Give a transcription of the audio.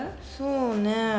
そうね。